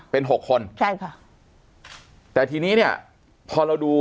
เป็นหกคนใช่ค่ะแต่ทีนี้เนี่ยพอเราดู